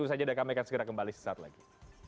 udah kami akan segera kembali sesaat lagi